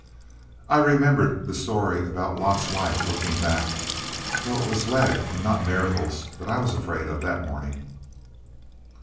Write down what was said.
I remembered the story about Lot's wife looking back, though it was lead and not miracles that I was afraid of that morning.